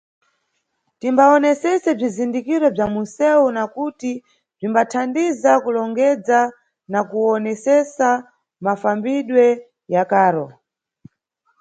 Timbawonesese bzizindikiro bza munʼsewu, nakuti bzimbathandiza kulongedza na kuwonesesa mafambidwe ya karo.